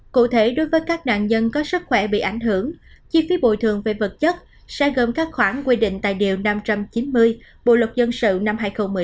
cụ thể đối với các nạn nhân có sức khỏe bị ảnh hưởng chi phí bồi thường về vật chất sẽ gồm các khoản quy định tại điều năm trăm chín mươi bộ luật dân sự năm hai nghìn một mươi năm